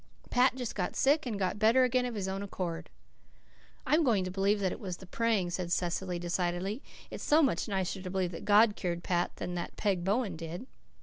"Pat just got sick and got better again of his own accord." "I'm going to believe that it was the praying," said Cecily decidedly. "It's so much nicer to believe that God cured Pat than that Peg Bowen did."